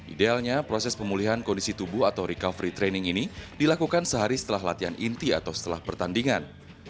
idealnya proses pemulihan kondisi tubuh atau recovery training ini dilakukan sehari setelah latihan inti atau setelah pertandingan